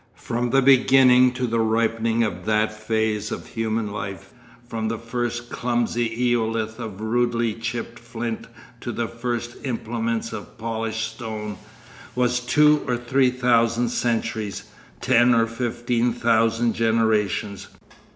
From the beginning to the ripening of that phase of human life, from the first clumsy eolith of rudely chipped flint to the first implements of polished stone, was two or three thousand centuries, ten or fifteen thousand generations.